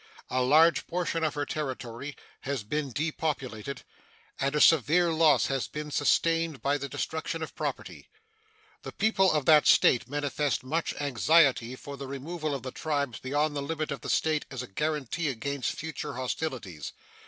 A large portion of her territory has been depopulated, and a severe loss has been sustained by the destruction of property. The people of that State manifest much anxiety for the removal of the tribes beyond the limits of the State as a guaranty against future hostilities.